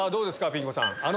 ピン子さん。